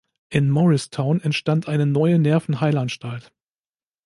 In Morristown entstand eine neue Nervenheilanstalt.